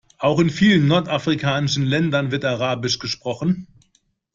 Auch in vielen nordafrikanischen Ländern wird arabisch gesprochen.